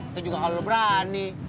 itu juga kalau lo berani